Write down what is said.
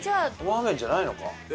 ラーメンじゃないのか。